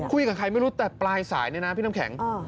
คุยกับใครไม่รู้แต่ปลายสายเนี่ยนะพี่น้ำแข็ง